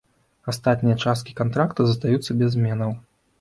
Астатнія часткі кантракта застаюцца без зменаў.